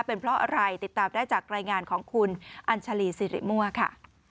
เป็นเพราะอะไรติดตามได้จากรายงานของคุณอัญชาลีสิริมั่วค่ะ